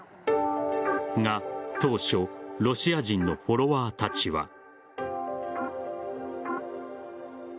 が、当初ロシア人のフォロワーたちは。